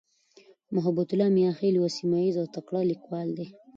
محبتالله "میاخېل" یو سیمهییز او تکړه لیکوال دی.